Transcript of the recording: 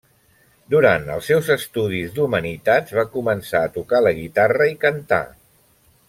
Durant els seus estudis d'humanitats va començar a tocar la guitarra i cantar.